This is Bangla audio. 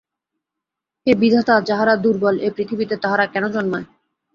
হে বিধাতা, যাহারা দুর্বল এ পৃথিবীতে তাহারা কেন জন্মায়?